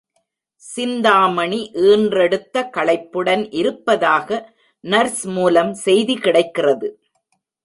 சிந்தாமணி ஈன்றெடுத்த களைப்புடன் இருப்பதாக நர்ஸ் மூலம் செய்தி கிடைக்கிறது.